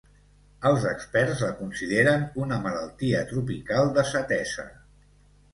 Els experts la consideren una malaltia tropical desatesa.